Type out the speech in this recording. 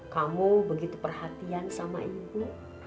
kamu begitu perhatian sama ibu